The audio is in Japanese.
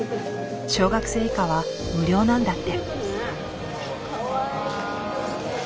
小学生以下は無料なんだって。